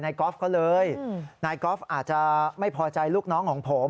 กอล์ฟเขาเลยนายกอล์ฟอาจจะไม่พอใจลูกน้องของผม